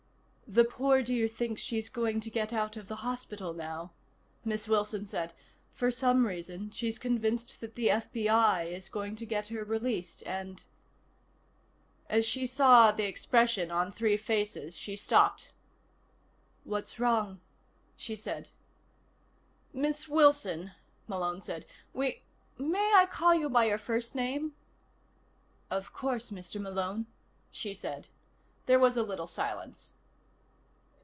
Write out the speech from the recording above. "The poor dear thinks she's going to get out of the hospital now," Miss Wilson said. "For some reason, she's convinced that the FBI is going to get her released, and " As she saw the expression on three faces, she stopped. "What's wrong?" she said. "Miss Wilson," Malone said, "we may I call you by your first name?" "Of course, Mr. Malone," she said. There was a little silence.